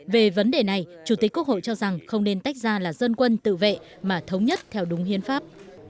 về vấn đề này chủ tịch quốc hội cho rằng không nên tách ra là dân quân tự vệ mà thống nhất theo đúng hiến pháp